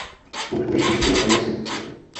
মৌসুমের শেষে তিনি টাইগার্স থেকে মুক্তি পান।